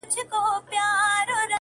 • اوس که زما منۍ را ټول یې کړی تخمونه-